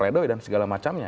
dan segala macamnya